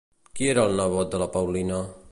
Qui era el nebot de la Paulina?